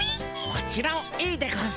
もちろんいいでゴンス。